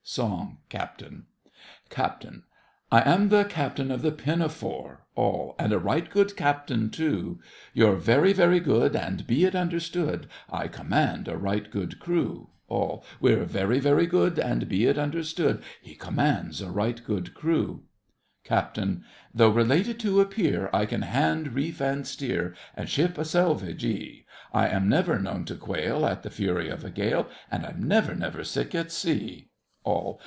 SONG—CAPTAIN CAPT. I am the Captain of the Pinafore; ALL. And a right good captain, tool You're very, very good, And be it understood, I command a right good crew, ALL. We're very, very good, And be it understood, He commands a right good crew. CAPT. Though related to a peer, I can hand, reef, and steer, And ship a selvagee; I am never known to quail At the furry of a gale, And I'm never, never sick at sea! ALL.